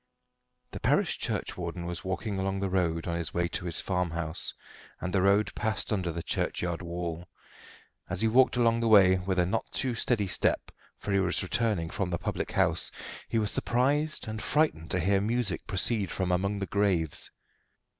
The parish churchwarden was walking along the road on his way to his farmhouse, and the road passed under the churchyard wall. As he walked along the way with a not too steady step, for he was returning from the public house he was surprised and frightened to hear music proceed from among the graves.